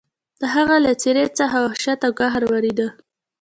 د هغه له څېرې څخه وحشت او قهر ورېده.